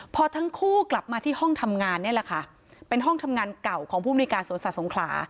พอทั้งคู่กลับมาที่ห้องทำงานนี่แหละค่ะเป็นห้องทำงานเก่าของภูมิในการสวนสัตว์สงขลา